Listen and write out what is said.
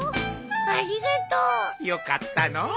ありがとう！よかったのう。